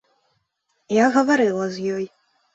Я гаварыла з ёй.